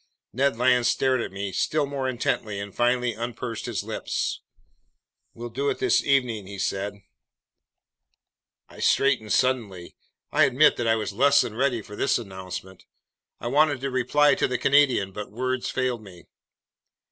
Ned Land stared at me still more intently and finally unpursed his lips: "We'll do it this evening," he said. I straightened suddenly. I admit that I was less than ready for this announcement. I wanted to reply to the Canadian, but words failed me.